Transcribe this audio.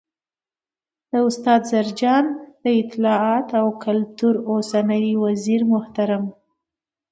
، استاد زرجان، د اطلاعات او کلتور اوسنی وزیرمحترم